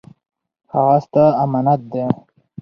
هغه ستا امانت دی